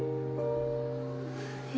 え？